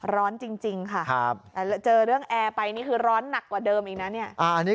ร้อนจริงค่ะแต่เจอเรื่องแอร์ไปนี่คือร้อนหนักกว่าเดิมอีกนะเนี่ย